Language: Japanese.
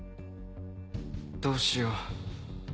どうしよう